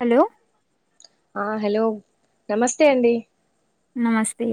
Hello ఆ hello నమస్తే అండి నమస్తే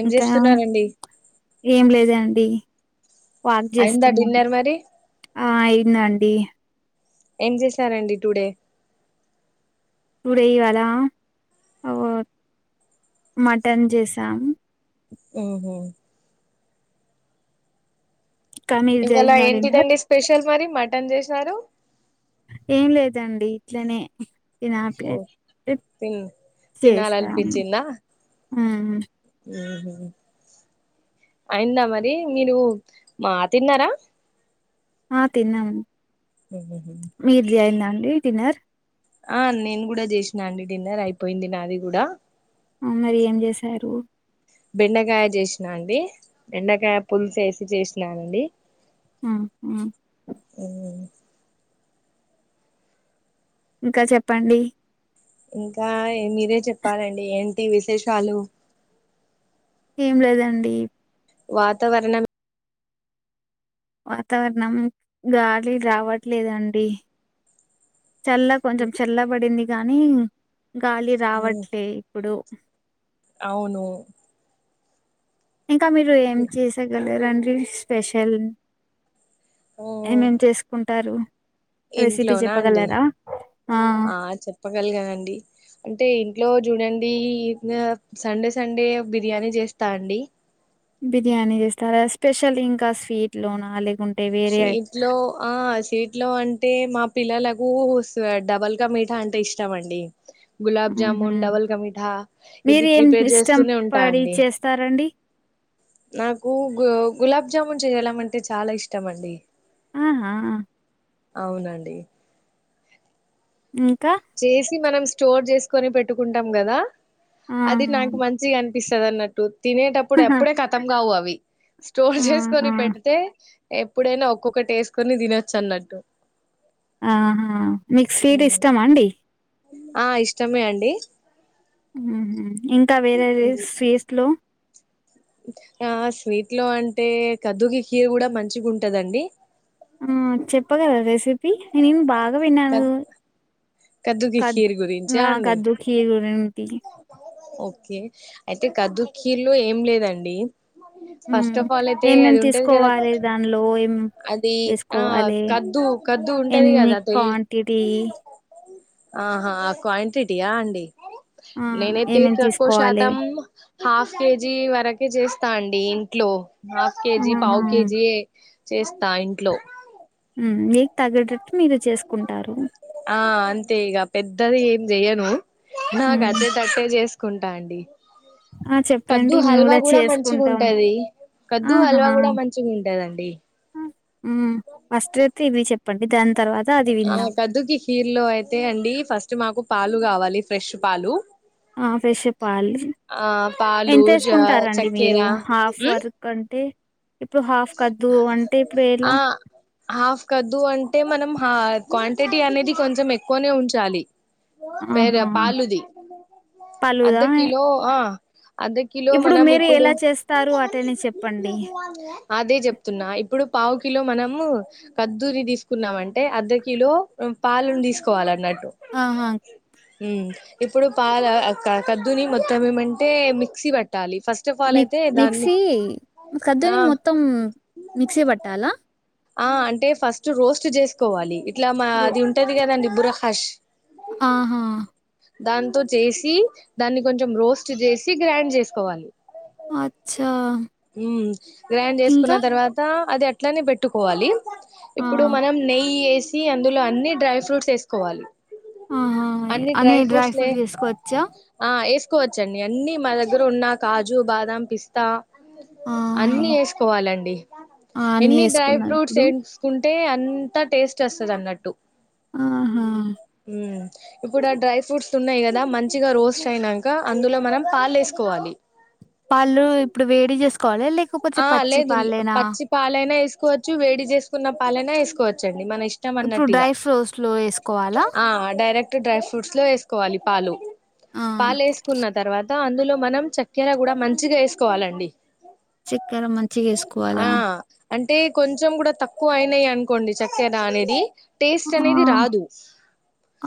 ఏం కాన్ చేస్తున్నారండి ఏం లేదండీ వాక్ అయిందా జేస్తున్నా డిన్నర్ మరి ఆ అయిందండీ ఏం జేశారండి టుడే టుడే ఇవాలా అవో మటన్ జేసాం ఊ హుమ్ ఇంకా మీది ఇవ్వాలా అయిందా డిన్నర్ ఏంటిదండి స్పెషల్ మరి మటన్ జేసారు ఏం లేదండి ఇట్లనే ఓ తినాపెట్ పిప్ తిన్ చేసాం తినాలనిపించిందా ఉమ్ ఊఁ అయిందా మరి మీరు మ తిన్నార ఆ తిన్నాము హ మీది అయింద అండి డిన్నర్ ఆ నేను కూడ చేసినా అండి డిన్నర్ అయిపోయింది నాది కూడా ఆ మరి ఏం చేశారు బెండకాయ చేసినా అండి బెండకాయ పులుస వేసి చేసినానుండి ఆహా ఊ ఇంకా చెప్పండి ఇంకా మీరే చెప్పాలండి ఏంటి విశేషాలు ఏం లేదండి వాతావరణం వాతావరణం గాలి రావట్లేదండి చల్ల కొంచెం చల్లబడింది గానీ గాలి హ్మ్ రావట్లే ఇప్పుడు అవును ఇంకా మీరు ఏం చేసగలరండి స్పెషల్ హ్మ్. ఏమేం చేసుకుంటారు రెసిపీ ఇంట్లోనా చెప్పగలరా ఆ [unintelligible] అండి అంటే ఇంట్లో చూడండి సండే సండే బిర్యానీ చేస్తా అండి బిర్యానీ చేస్తార స్పెషల్ ఇంకా స్వీట్ లోన లేకుంటే వేరే స్వి సీట్లో ఆ సీట్ లో అంటే మా పిల్లలకు డబల్కా మీఠా అంటే ఇష్టం అండి ఊహు గులాబ్జామున్ డబల్ క మిఠా ఇది ప్రిపేర్ చేస్తూనే ఉంట అండి [unintelligible] రండి నాకు గు గులాబ్జామున్ చేయడం అంటే చాల ఇష్టం అండి ఆహా అవునండి ఇంక చేసి మనం స్టోర్ చేసుకొని పెట్టుకుంటాం కదా అది ఆహా నాకు మంచిగా పిస్తదన్నట్టు తినేటప్పుడు ఆహా ఎప్పుడే కతం కావు అవి స్టోర్ ఆ! ఆ! చేసుకొని పెడితే ఎప్పుడైన ఒక్కొకటి ఎసుకొని తినొచ్చు అన్నట్టు ఆహా మికు స్వీట్ ఉమ్. ఇష్టమా అండి ఆ ఇష్టమే అండి ఇంకా వేరేవేరే స్వీట్ లో ఆ స్వీట్ లో అంటే కద్దుకి కీర్ కూడ మంచిగా ఉంటదండి ఆ చెప్పగలార రెసిపీ నేనేం బాగ విన్నాను కద్ కద్దుకి కీర్ గురించా అండి [unintelligible] ఓకే అయితే కీర్ లో ఏం లేదండి హ్మ్ ఫస్ట్ ఆఫ్ ఆల్ అయితే ఏమేమి అది ఉంటది కదా తీసుకోవాలి దానిలో ఏం అది ఆ వేసుకోవాలి కద్దు కద్దు ఉంటది కదా [unintelligible] టిటి ఆహా క్వాంటిటీయ అండి ఆ నేనయితే ఏమేమి తక్కువ తీసుకోవాలి శాతం హాఫ్ కేజీ వరకే చేస్తాన్డి ఇంట్లో హాఫ్ కేజీ ఆహా పావ్ కేజీఏ చేస్తా ఇంట్లో మ్ నీకు తగే టట్టు మీరే చేసుకుంటారు ఆ అంతే ఇక పెద్దది ఏం చెయ్యను నా హ్మ్ కచ్చిటట్టే చేసు కుంటా అండి ఆ కద్దు చెప్పండి మేము హల్వా కూడా మంచిగా చేసుకుంటాం ఉంటది కద్దు హల్వా కూడా మంచిగుంటదండి ఉమ్ మ్ మస్ట్ యితే ఇవి చెప్పండి దాన్ తర్వా ఆ కద్దుకి కిర్ లో అయితే అండి ఫస్ట్ మాకు పాలు కావాలి ఫ్రెష్ పాలు ఆ ఫ్రెష్ పాలు ఆ పాలు జ ఎంతేసుకుంటారండి మీరు చక్కెర హాఫ్ ఉమ్ వర్ అంటే ఇప్పుడు హాఫ్ కద్దు వంటి పేల ఆ హాఫ్ కద్దు అంటే మనం హా క్వాంటిటీ అనేది కొంచెం ఎక్కువనే ఉంచాలి వేరే ఆహా పాలుది అర్ధ పలుదా కిలో ఆ అర్ధ కిలో మనం మీరు ఇప్పుడు ఎలా చేస్తారు అటని చెప్పండి అదే చెప్తున్నా ఇప్పుడు పావుకిిలో మనము కద్దూరి తీసుకున్నామంటే అర్ధ కిలో పాలను తీసుకోవాలన్నట్టు ఆహా మ్ ఇప్పుడు పాల ఆ కద్దుని మొత్తం ఏమంటే మిక్సీ పట్టాలి ఫస్ మిక్ మిక్సీ కదుని ఆ మొత్తం మిక్సీ పట్టాలా ఆ అంటే ఫస్ట్ రోస్ట్ చేసుకోవాలి ఇట్లా మా రొ అది ఉంటది కదండి బురహాష్ ఆహా దాంతో చేసి దాన్ని కొంచెం రోస్ట్ చేసి గ్రైండ్ చేసుకోవాలి. అచ్చ మ్మ్ గ్రైండ్ చేసుకున్న తర్వాత అది అట్లానే పెట్టుకోవాలి ఆ ఇప్పుడు మనం నెయ్యి ఏస్ నీ అందులో అన్ని డ్రై ఫ్రూట్స్ ఏసుకోవాలి ఆ హా అని డ్రై ఫ్రూట్ వేసుకోవచ్చా ఆ ఏసుకోవచ్చండి అన్ని మా దగ్గర ఉన్న కాజు బాదం పిస్తా ఆహా అన్నీ ఏసుకోవాలండి అన్ని ఎన్ని డ్రై వేసుకున్నా ఫ్రూట్స్ ఇప్పుడు సెట్స్ ఉంటే అంతా టేస్టోస్తదన్నట్టు ఆహా మ్మ్ ఇప్పుడు ఆ డ్రై ఫ్రూట్స్ ఉన్నాయి కదా మంచిగా రోస్ట్ అయినాక అందులో మనం పాలేసుకోవాలి పాళ్ళు ఇప్పుడు వేడి చేసుకోవాలి లేక ఆ లేదు పచ్చి పాలైనా ఏసుకోవచ్చు వేడి చేసుకున్న పాలైనా ఏసుకోవచ్చండి మన ఇష్ట ఇట్టం ఇప్పుడు అన్నట్టు ఇగ డ్రై ఫ్రూట్స్‌లో ఏసుకోవాలా? ఆ డైరెక్ట్ ట్ డ్రై ఫ్రూట్స్ లో వేసుకోవాలి పాలు ఆ! పాలేస్ కున్న తర్వాత అందులో మనం చక్కెర కూడా మంచిగా ఏసుకోవాలండి గర మంచిగేసుకోవాలా ఆ అంటే కొంచెం కూడా తక్కువ అయినాయి అనుకోండి చక్కెర అనేది టేస్ట్ ఆ! అనేది రాదు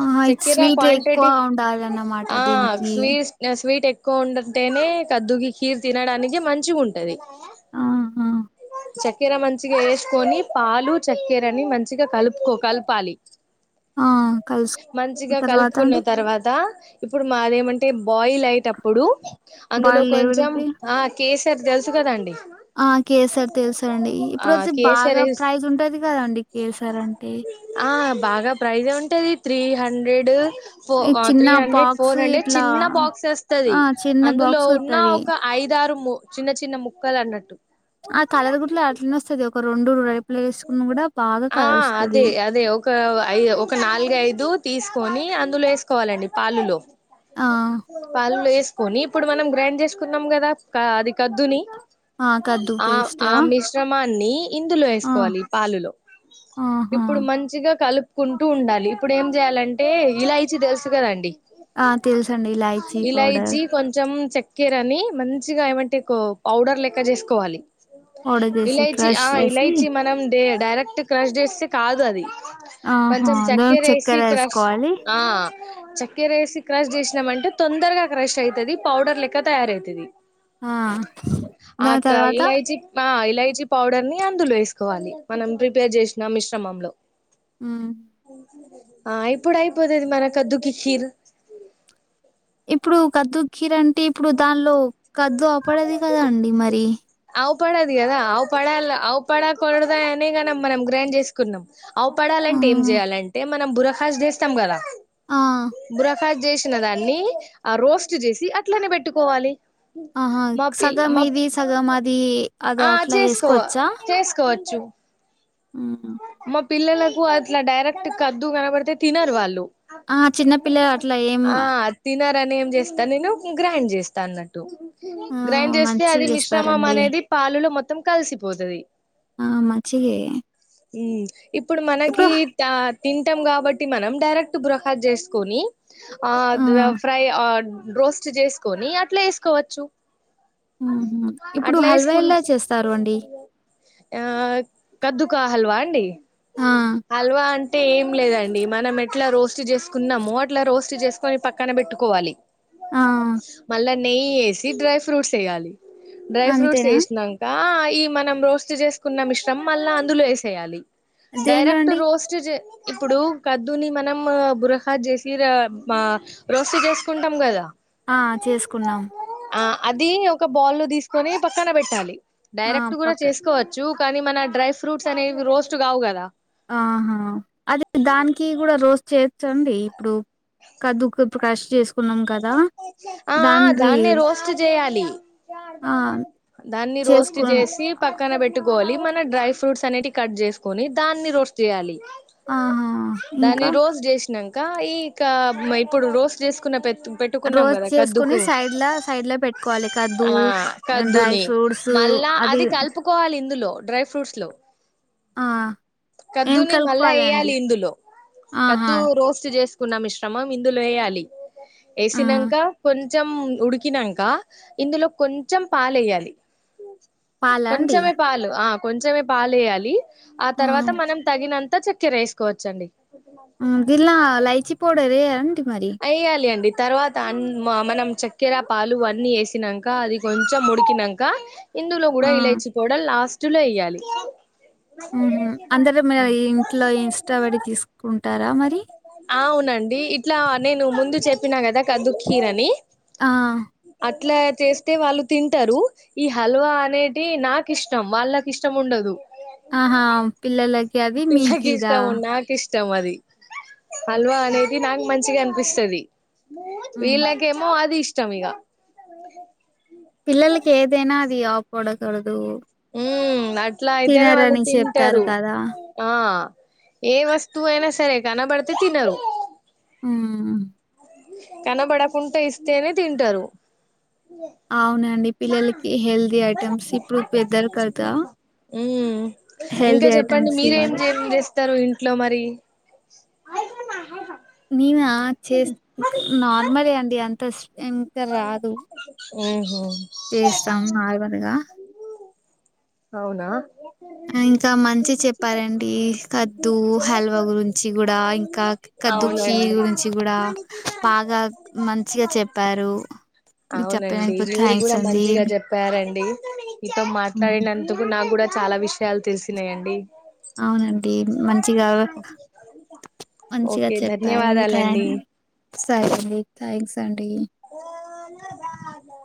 ఆహా! ఇది చక్కెర స్వీట్ ఎక్కువ క్వాంటిటీస్ ఉండాలన్నమాట ఆ దీనికి. స్వీస్ నా స్వీట్ ఎక్కువ ఉండటేనే కద్దుకి కీర్ తినడానికి మంచిగున్టది. ఆహా! చక్కెర మంచిగా ఏసుకొని పాలు చక్కెరని మంచిగ కలుపుకో కలపాలి ఆ! కలుసు మంచిగా తర్వాత కలుపుకున్న అండి? తర్వాత ఇప్పుడు మాదేమంటే బాయిల్ అయిటప్పుడు అందులో బాయిల్డ్ కొంచెం లేవిడికి? ఆ కేసర్ తెలుసు కదండి ఆ కేసర్ తెలుసండి ఆ ఇప్పుడు అయితే కేసర్ బాగా ప్రైజ్ ఉంటది కదాండి కేసర్ అంటే. ఆ బాగా ప్రైజే ఉంటాది త్రీ హండ్రెడ్. ఫో ఈ అ చిన్న three hundred box four hundred ఇట్లా చిన్న బాక్స్ వస్తాది ఆ! చిన్న అందులో బాక్స్ ఉన్న వత్తది. ఒక. ఐదారు ము చిన్న చిన్న ముక్కలు అన్నట్టు. ఆ తలదుగుట్లా అట్లనే వస్తది ఒక రెండు రైపులు వేసుకున్న గూడా బాగా ఆ అదే కలరోస్తది.. అదే ఒక ఐ ఒక నాలుగుఐదు తీసుకొని అందులో వేసుకోవాలండి పాలులో. ఆ! పాలల్లో ఎస్. కొని ఇప్పుడు మనం గ్రైండ్ చేసుకున్నాం కదా క అది కద్దుని ఆ! కద్దు ఆ ఆ పేస్టా? మి. శ్రమాన్ని ఇందులో ఆ! వేసుకోవాలి పాలులో ఆహా ఇప్పుడు మంచిగా కలు. కుంటూ ఉండాలి ఇప్పుడు ఏం చేయాలంటే ఇలాయిచి తెలుసుకదండి. ఆ తెలుసండి ఇలాయిచీ పౌడర్. కొంచెం చెక్కిరని మంచిగా ఏమంటిక్ పౌడర్ లెక్క చేసుకోవాలి. పౌడర్ చేసి ఇలైచి క్రష్ ఆ చేసి ఇలైచి మనం డే డైరెక్ట్ క్రష్ చేస్తే కాదు అది. ఆహా కొంచెం చక్కే దానికి రేసి చక్కెర క్రష్ వేసుకోవాలి ఆ. చెక్కేరేసి క్రష్ చేసినామంటే తొందరగా క్రష్ అయితది పౌడర్ లెక్క తయారయితది. ఆ దా తర్వాత. ఇలాయచీ ఆ ఇలైచీ పౌడర్ ని అందులో వేసుకోవాలి మనం ప్రిపేర్ చేసినా మిశ్రమంలో. ఉమ్. ఆ ఇప్పుడై అయిపోతాది మన కద్దుకి కీరు. ఇప్పుడు కద్దు కీర్ అంటే ఇప్పుడు దాన్లో కద్దు అపడది కదా అండి మరి. ఆవు పేడది కదా ఆవు పడాల అవు పడా [unintelligible] మనం గ్రైండ్ చేస్. కున్నం ఆ ఆవుపడాలంటే ఏం చేయాలంటే మనం బురహాస్ చేస్తాం కదా ఆ బుర. ఫ చేసిన దాన్ని ఆ రోస్ట్ చేసి అట్లనే పెట్టుకోవాలి. ఆహా మా పిల్ సగం మా ఇది సగం అది అది ఆ అట్లా చేసుకో వేసుకోవచ్చా. చేసుకోవచ్చు. ఉహు. మా పిల్లలకు అట్లా డైరెక్ట్ కద్దు కనబడితే తినరు వాళ్ళు. ఆ చిన్నపిల్లలు అట్లా ఏం ఆ. తినారని ఏం చేస్తాను నేను గ్రైండ్ చేస్తా అన్నట్టు ఆ గ్రైండ్ చేస్తే అది మంచిగా మిశ్రం. మమ్ము చేస్తారండి అనేది పాలులో మొత్తం కలిసిపోతది. ఆ మంచిగే. ఈ ఇప్పుడు మనకి. తా తింటాం కాబట్టి మనం డైరెక్ట్ బురకాజ్ జేసుకొని. ఆ ఆద్రా ఫ్రై ఆ రోస్ట్ చేసుకొని అట్లే వేసుకోవచ్చు. ఉహు ఇప్పుడు అట్లా హల్వా వేసుకు ఎలా చేస్తారు అండి. ఆ కద్దుకా హల్వా అండి ఆ! హల్వా అన్. టే ఏం లేదండి మనం ఎట్లా రోస్ట్ చేసుకున్నామో అట్లా రోస్ట్ చేసుకొని పక్కన పెట్టుకోవాలి. ఆ! మళ్ళా నెయ్యి వేసి డ్రై ఫ్రూట్స్ వేయ్యాలి. డ్రై ఫ్రూట్స్ అంతేనా? వేసినాక ఈ మనం రోస్ట్ చేసుకున్న మిశ్రం మళ్ళా అందులో వేసేయాలి. దేనిలో డైరెక్ట్ర్ అండి? రోస్. చుజే ఇప్పుడు కద్దుని మనం బురహాద్ చేసి రా అమ్మ. రోస్టు చేసుకుంటాం గదా. ఆ చేసుకున్నాం. ఆ అది ఒక బౌల్ లో తీసుకొని పక్కన పెట్టాలి ఆ! డైరెక్ట్ కూడా పక్కన చేసుకో. చు కానీ మన డ్రై ఫ్రూట్స్ అనేవి రోస్ట్ కావు కదా. ఆహా అది దానికి కూడా రోజు చేయచ్చండి ఇప్పుడు కద్దుకు కొప్పు కశ్ చేసు ఆ ఆ దాన్నె రోస్ట్ చేయాలి. ఆ! దాన్ని రోస్ట్ చేసుకున్ చేసి పక్కన పెట్టుకోవాలి మన డ్రై ఫ్రూట్స్ అనేటి కట్ చేసుకుని దాన్ని రోస్ట్ చేయాలి ఆహా! దాన్ని ఇంకా రోస్ చేసినాక ఇక ఇప్పుడు రోస్ చేసుకున్న పె పెట్ రోస్ట్ చేసుకుని సైడ్లా సైడ్ లో పెట్టుకోవాలి కద్దు ఆ డ్రై ఫ్రూట్స్ ఊ అది కోవాలి ఇందులో డ్రై ఫ్రూట్స్ లో ఆ! ఏం కద్దుని మళ్ళా కలుపుకోవాలండి? వేయాలి ఇందులో ఆహా! కద్దు రోస్ట్ చేసు న్న మిశ్రమం ఇందులో వేయాలి ఆ! ఏసినంక కొంచెం ఉడికినంక ఇందులో కొంచెం పాలు ఏయాలి. ఓ పాలా అండి? కొంచమే పాలు ఆ కొంచమే పాలు ఏయాలి ఆ తర్వాత మనం తగినంత చ వేసుకోవచ్చండి దిల్లా ఇలాచి పౌడర్ ఏంటి మరి వేయాలి అండి తర్వాత అన్ మ మనం చక్కెర పాలు అన్నీ ఏసినాక అది కొంచెం ఉడికినం ఇందులో ఆ! కూడా ఇలైచి పౌడర్ లాస్ట్ లో వె య్యాలి ఊహు అందరూ మీరు ఇంట్లో ఇష్ట పడి తీసుకుంటారా మరి అవునండి ఇట్లా నేను ముందు చెప్పినా కదా కద్దు కీర్ అని ఆ అట్లా చేస్తే వాళ్ళు తింటారు ఈ హల్వా అనేటి నాకు ఇష్టం వాళ్ళకి ఇష్టం ఉండదు. ఆహా పిల్లలకి అది మీకు పిల్లకి ఇదా ఇష్టం నాకు ఇష్టం అది హల్వా అనేది నాకు మంచిగా అనిపిస్తుది హ్మ్. వీళ్ళ కేమో అది ఇష్టం ఇగ పిల్లలకి ఏదైనా అది ఆపడకూడదు. ఉమ్ అట్లా అయితేనే వాళ్ళు తినరని చెప్తారు తింటారు కదా! ఆ ఏ వస్తువు అయినా సరే కనబడుతే తినరు ఉమ్ కనబడుకుంట ఇస్తేనే తింటారు అవునండి పిల్లలకి హెల్తీ ఐటెమ్స్ ఇప్పుడు పెద్దరు క ఉమ్ ఇంకా చెప్పండి ఐటెమ్స్ మీరేం ఇవ్వాలి. చే చేస్తారు ఇంట్లో మరి నేనా చేస్త నార్మలే అండి అంత ఇక రాదు ఉహు చేస్తాం నార్మల్గా అవునా ఇంకా మంచి చెప్పారండి కద్దు హల్వ గురించి గుడా ఇంకా కద్దు కీర్ అవునండి గురించి కూడా బాగా మంచిగా చెప్పారు మీరు అవునండి చెప్పినందుకు మీరు థ్యాంక్స్ కూడా అండి. మంచిగా చెప్పారండి మీతో ఉమ్, మాట్లాడినంత ఇప్పుడు నా కూడా చాలా విషయాలు తెలిసినాయండి. అవునండి మంచిగా మంచిగా ఓకే చెప్పారు ధన్యవాదాలండి సరే అండి థ్యాంక్స్ అండి అనా బాగా